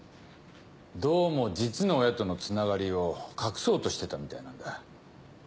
どうも実の親とのつながりを隠そうとしてたみたいなんだ。